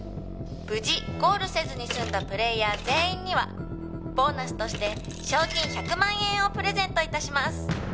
「無事ゴールせずに済んだプレーヤー全員にはボーナスとして賞金１００万円をプレゼント致します」